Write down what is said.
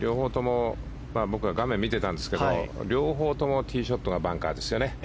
僕は画面見てたんですけど両方ともティーショットがバンカーですよね。